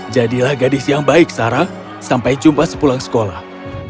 jadilah gadis yang baik sarah sampai jumpa sepulang sekolah